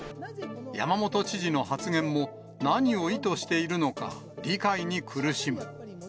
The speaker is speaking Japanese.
山本知事の発言も、何を意図しているのか、理解に苦しむ。